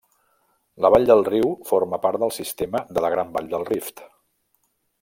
La vall del riu forma part del sistema de la Gran Vall del Rift.